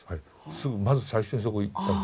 すぐまず最初にそこに行ったんです。